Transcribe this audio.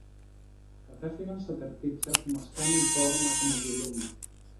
Κατέφυγαν σε τερτίπια που μας κάνουν τώρα να χαμογελούμε